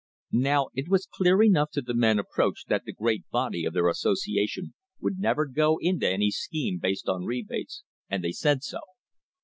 Now it was clear enough to the men approached that the great body of their associa tion would never go into any scheme based on rebates, and they said so.